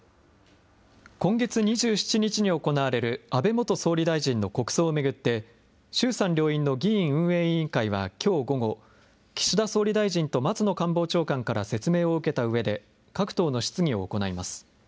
今月２７日に行われる安倍元総理大臣の国葬を巡って、衆参両院の議院運営委員会はきょう午後、岸田総理大臣と松野官房長官から説明を受けたうえで、各党の質疑を行います。